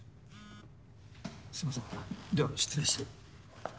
すみませんでは失礼して。